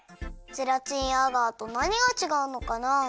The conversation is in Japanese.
ゼラチンやアガーとなにがちがうのかな？